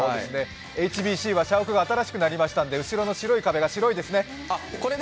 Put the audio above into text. ＨＢＣは社屋が新しくなりましたので後ろの白い壁が白いですね。